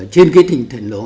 trên cái tình thần đó